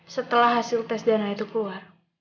setelah hasil tes dana itu keluar